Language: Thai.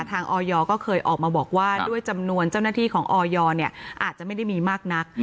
ออยก็เคยออกมาบอกว่าด้วยจำนวนเจ้าหน้าที่ของออยอาจจะไม่ได้มีมากนัก